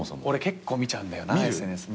俺結構見ちゃうんだよなＳＮＳ。